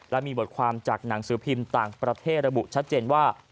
และมีบทความจากหนังสือพิมพ์ต่างประเทศระบุชัดเจนว่า